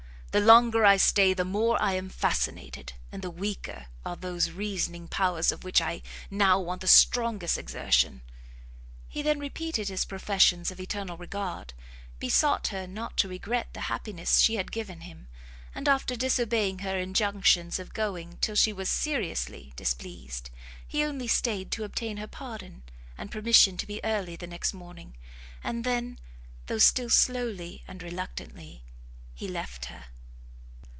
the longer I stay, the more I am fascinated, and the weaker are those reasoning powers of which I now want the strongest exertion." He then repeated his professions of eternal regard, besought her not to regret the happiness she had given him, and after disobeying her injunctions of going till she was seriously displeased, he only stayed to obtain her pardon, and permission to be early the next morning, and then, though still slowly and reluctantly, he left her.